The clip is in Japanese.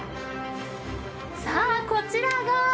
さあこちらが。